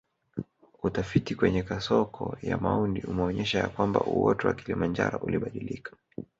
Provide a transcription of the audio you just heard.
Utafiti kwenye kasoko ya Maundi umeonyesha ya kwamba uoto wa Kilimanjaro ulibadilika